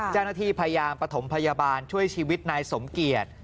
จ้านที่พยาบาลปฐมพยาบาลช่วยชีวิตนายสมเกียจ